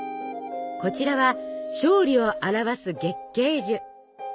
こちらは「勝利」を表す月桂樹。